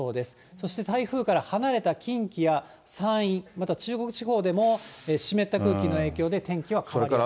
そして台風から離れた近畿や山陰、また中国地方でも湿った空気の影響で天気は変わりやすい。